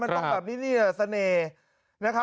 มันต้องแบบนี้นี่แหละเสน่ห์